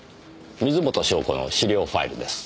水元湘子の資料ファイルです。